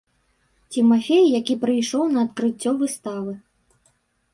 Цімафей, які прыйшоў на адкрыццё выставы.